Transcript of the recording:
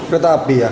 kereta api ya